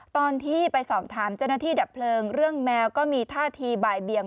ตอนที่ไปสอบถามเจ้าหน้าที่ดับเพลิงเรื่องแมวก็มีท่าทีบ่ายเบียง